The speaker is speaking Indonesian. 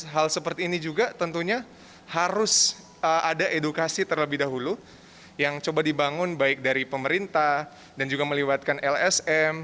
hal seperti ini juga tentunya harus ada edukasi terlebih dahulu yang coba dibangun baik dari pemerintah dan juga melibatkan lsm